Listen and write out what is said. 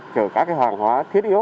chở các hoàng hóa thiết yếu